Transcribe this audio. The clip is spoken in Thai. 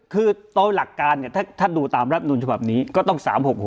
คือโดยหลักการเนี่ยถ้าดูตามรับนูลฉบับนี้ก็ต้อง๓๖๖